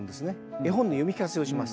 絵本の読み聞かせをします。